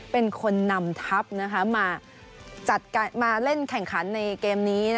เป็นคนนำทัพมาเล่นแข่งขันในเกมนี้